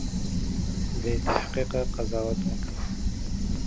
William was in his minority when his father died.